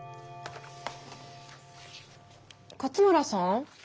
勝村さん